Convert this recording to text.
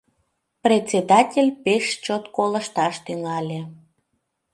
Председатель пеш чот колышташ тӱҥале.